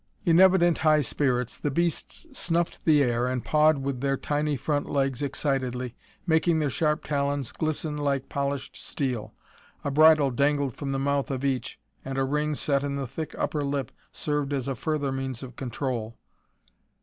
In evident high spirits the beasts snuffed the air and pawed with their tiny front legs excitedly, making their sharp talons glisten like polished steel. A bridle dangled from the mouth of each and a ring set in the thick upper lip served as a further means of control.